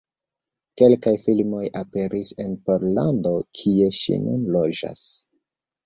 Kelkaj filmoj aperis en Pollando, kie ŝi nun loĝas.